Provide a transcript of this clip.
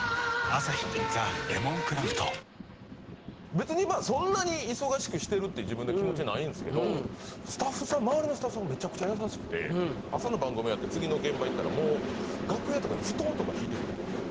別にまあそんなに忙しくしてるって自分で気持ちないんですけどスタッフさん周りのスタッフさんがめちゃくちゃ優しくて朝の番組終わって次の現場行ったらもう。とか敷いてくれてるんですよ。